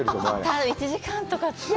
多分１時間とか。